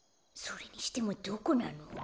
それにしてもどこなの？